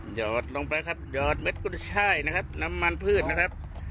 หอดลงไปครับหยอดเม็ดกุญช่ายนะครับน้ำมันพืชนะครับ